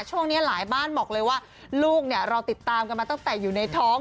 ช่วงนี้หลายบ้านบอกเลยว่าลูกเนี่ยเราติดตามกันมาตั้งแต่อยู่ในท้อง